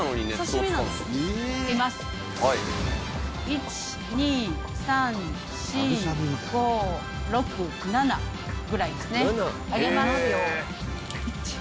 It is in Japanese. １・２・３・４・５・６・７。ぐらいですね上げます。